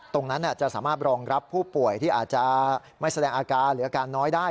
ตรงนั้นจะสามารถรองรับผู้ป่วยที่อาจจะไม่แสดงอาการหรืออาการน้อยได้